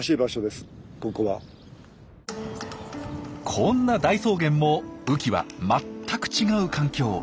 こんな大草原も雨季は全く違う環境。